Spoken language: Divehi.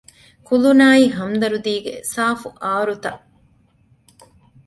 ކުލުނާއި ހަމްދަރްދީގެ ސާފު އާރުތައް